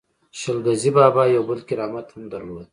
شل ګزی بابا یو بل کرامت هم درلود.